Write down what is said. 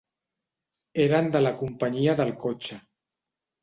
Eren de la companyia del cotxe.